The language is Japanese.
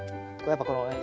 やっぱこのね